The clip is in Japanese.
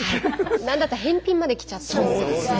何だったら返品まできちゃってます。